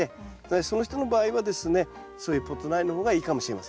その人の場合はですねそういうポット苗の方がいいかもしれません。